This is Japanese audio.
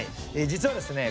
実はですね